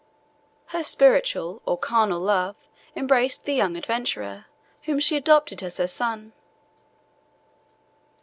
Her spiritual or carnal love embraced the young adventurer, whom she adopted as her son.